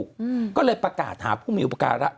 คุณหนุ่มกัญชัยได้เล่าใหญ่ใจความไปสักส่วนใหญ่แล้ว